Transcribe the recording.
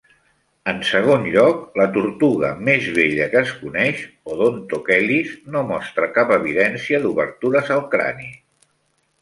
En segon lloc, la tortuga més vella que es coneix, Odontochelys, no mostra cap evidència d'obertures al crani.